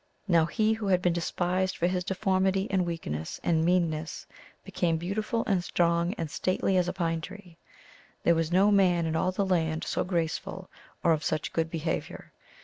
Now he who had been despised for his deformity and weakness and meanness became beautiful and strong and stately as a pine tree. There was no man in all the land so graceful or of such good behavior.